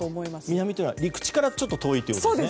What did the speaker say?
南というのは陸地から遠いということですね。